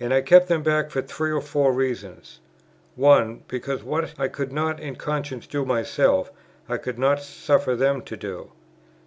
And I kept them back for three or four reasons; 1. because what I could not in conscience do myself, I could not suffer them to do; 2.